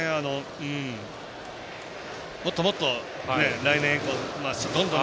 もっともっと、来年以降どんどん。